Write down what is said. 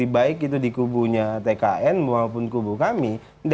baik itu di kubunya tkn maupun kubu kami